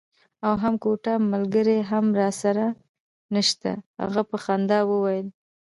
او هم کوټه ملګری هم راسره نشته. هغه په خندا وویل.